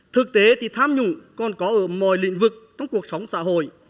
thực tế thì tham nhũng còn có ở mọi lĩnh vực trong cuộc sống xã hội